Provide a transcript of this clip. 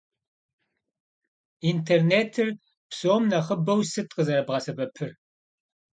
Интернетыр псом нэхъыбэу сыт къызэрыбгъэсэбэпыр?